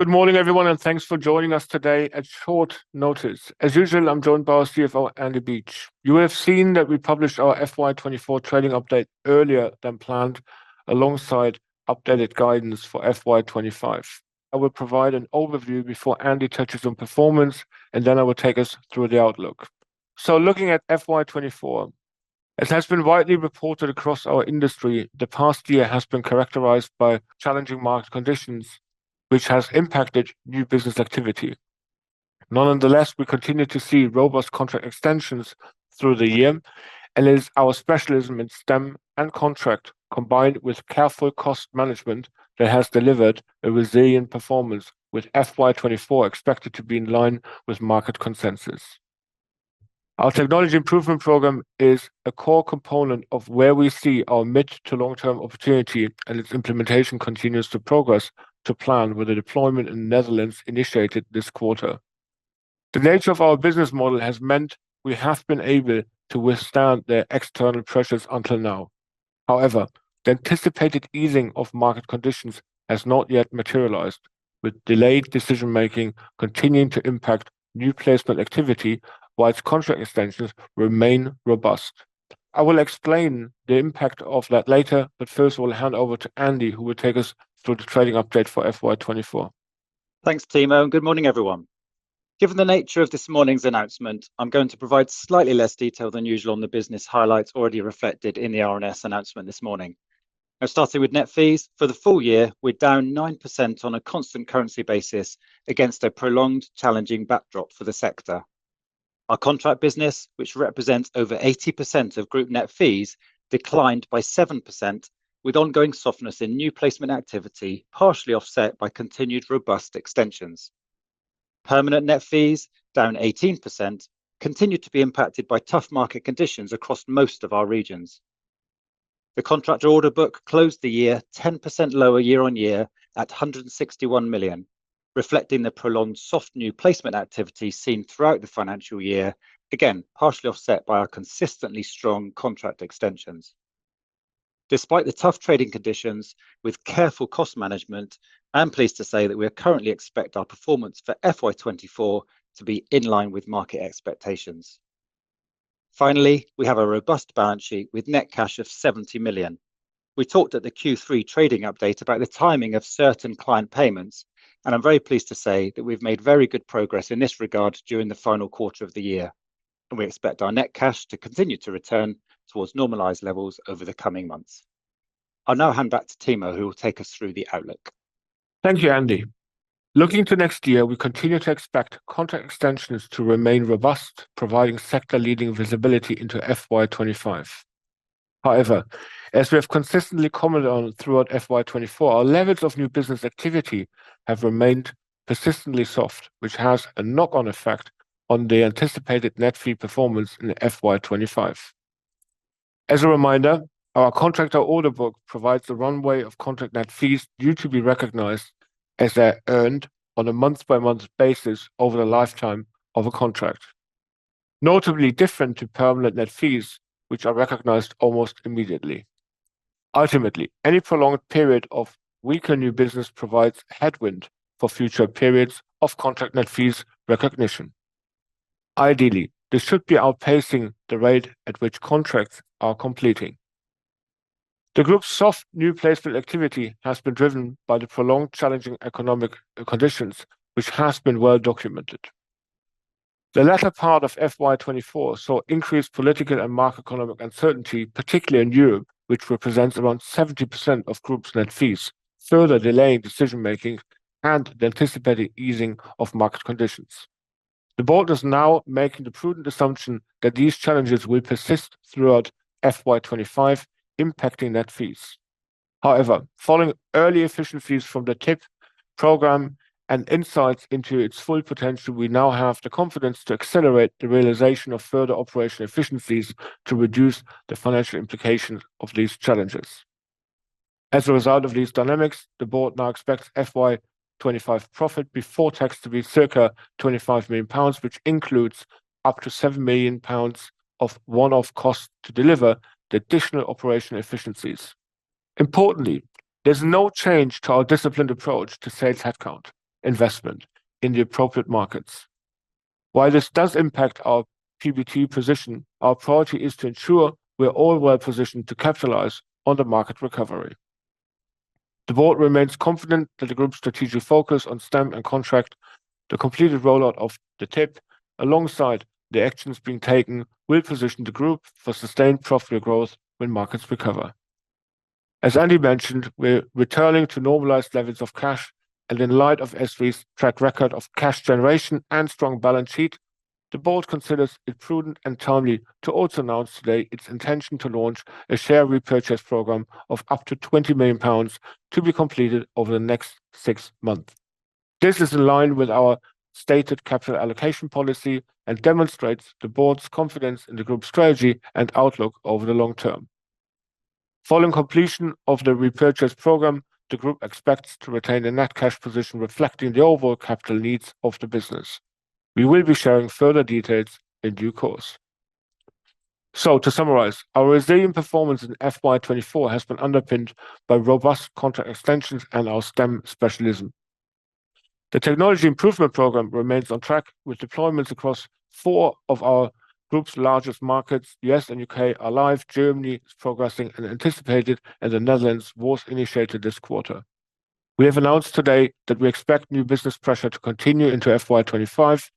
Good morning, everyone, and thanks for joining us today at short notice. As usual, I'm Timo Lehne, CEO at SThree. You have seen that we published our FY24 trading update earlier than planned, alongside updated guidance for FY25. I will provide an overview before Andrew touches on performance, and then I will take us through the outlook. So, looking at FY24, it has been widely reported across our industry that the past year has been characterized by challenging market conditions, which has impacted new business activity. Nonetheless, we continue to see robust contract extensions through the year, and it is our specialism in STEM and contract, combined with careful cost management, that has delivered a resilient performance, with FY24 expected to be in line with market consensus. Our Technology Improvement Programme is a core component of where we see our mid- to long-term opportunity, and its implementation continues to progress to plan with the deployment in the Netherlands initiated this quarter. The nature of our business model has meant we have been able to withstand the external pressures until now. However, the anticipated easing of market conditions has not yet materialized, with delayed decision-making continuing to impact new placement activity while contract extensions remain robust. I will explain the impact of that later, but first, I will hand over to Andrew, who will take us through the trading update for FY24. Thanks, Timo, and good morning, everyone. Given the nature of this morning's announcement, I'm going to provide slightly less detail than usual on the business highlights already reflected in the RNS announcement this morning. I'll start with net fees. For the full year, we're down 9% on a constant currency basis against a prolonged, challenging backdrop for the sector. Our contract business, which represents over 80% of group net fees, declined by 7%, with ongoing softness in new placement activity partially offset by continued robust extensions. Permanent net fees, down 18%, continue to be impacted by tough market conditions across most of our regions. The contract order book closed the year 10% lower year-on-year at 161 million, reflecting the prolonged soft new placement activity seen throughout the financial year, again partially offset by our consistently strong contract extensions. Despite the tough trading conditions, with careful cost management, I'm pleased to say that we currently expect our performance for FY24 to be in line with market expectations. Finally, we have a robust balance sheet with net cash of 70 million. We talked at the Q3 trading update about the timing of certain client payments, and I'm very pleased to say that we've made very good progress in this regard during the final quarter of the year, and we expect our net cash to continue to return towards normalized levels over the coming months. I'll now hand back to Timo, who will take us through the outlook. Thank you, Andrew. Looking to next year, we continue to expect contract extensions to remain robust, providing sector-leading visibility into FY25. However, as we have consistently commented on throughout FY24, our levels of new business activity have remained persistently soft, which has a knock-on effect on the anticipated net fee performance in FY25. As a reminder, our contract order book provides a runway of contract net fees due to be recognized as they're earned on a month-by-month basis over the lifetime of a contract, notably different from permanent net fees, which are recognized almost immediately. Ultimately, any prolonged period of weaker new business provides headwind for future periods of contract net fees recognition. Ideally, this should be outpacing the rate at which contracts are completing. The group's soft new placement activity has been driven by the prolonged challenging economic conditions, which have been well documented. The latter part of FY24 saw increased political and macroeconomic uncertainty, particularly in Europe, which represents around 70% of group's net fees, further delaying decision-making and the anticipated easing of market conditions. The board is now making the prudent assumption that these challenges will persist throughout FY25, impacting net fees. However, following early efficiencies from the TIP program and insights into its full potential, we now have the confidence to accelerate the realization of further operational efficiencies to reduce the financial implications of these challenges. As a result of these dynamics, the board now expects FY25 profit before tax to be 25 million pounds, which includes up to 7 million pounds of one-off costs to deliver the additional operational efficiencies. Importantly, there's no change to our disciplined approach to sales headcount investment in the appropriate markets. While this does impact our PBT position, our priority is to ensure we're all well positioned to capitalize on the market recovery. The board remains confident that the group's strategic focus on STEM and contract, the completed rollout of the TIP, alongside the actions being taken, will position the group for sustained profit growth when markets recover. As Andrew mentioned, we're returning to normalized levels of cash, and in light of SThree's track record of cash generation and strong balance sheet, the board considers it prudent and timely to also announce today its intention to launch a share repurchase program of up to 20 million pounds to be completed over the next six months. This is in line with our stated capital allocation policy and demonstrates the board's confidence in the group's strategy and outlook over the long term. Following completion of the repurchase program, the group expects to retain a net cash position reflecting the overall capital needs of the business. We will be sharing further details in due course. So, to summarize, our resilient performance in FY24 has been underpinned by robust contract extensions and our STEM specialism. The Technology Improvement Programme remains on track, with deployments across four of our group's largest markets, U.S. and U.K. live. Germany is progressing as anticipated, and the Netherlands was initiated this quarter. We have announced today that we expect new business pressure to continue into FY25.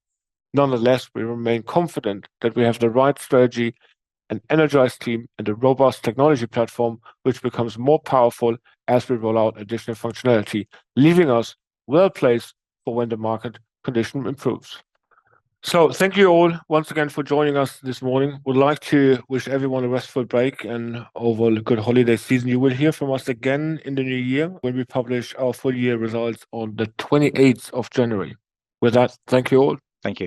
Nonetheless, we remain confident that we have the right strategy, an energized team, and a robust technology platform, which becomes more powerful as we roll out additional functionality, leaving us well placed for when the market condition improves. So, thank you all once again for joining us this morning. We'd like to wish everyone a restful break and have a good holiday season. You will hear from us again in the new year when we publish our full year results on the 28th of January. With that, thank you all. Thank you.